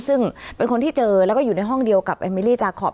ซึ่งเป็นคนที่เจอแล้วก็อยู่ในห้องเดียวกับเอมิลี่จาคอป